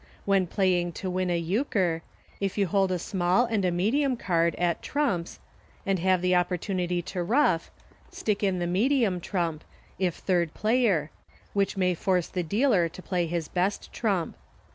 When playing to win a Euchre, if you hold a small and a medium card, at trumps, and have the oppor tunity to ruff, stick in the medium trump, if third player, which may force the dealer to play his best trump.